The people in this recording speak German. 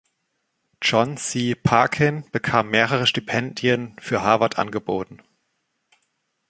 John C. Parkin bekam mehrere Stipendien für Harvard angeboten.